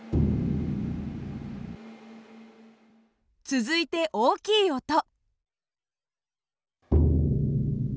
続いて大きい音。